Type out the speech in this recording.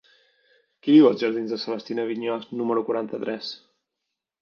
Qui viu als jardins de Celestina Vigneaux número quaranta-tres?